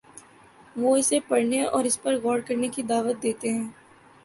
وہ اسے پڑھنے اور اس پر غور کرنے کی دعوت دیتے ہیں۔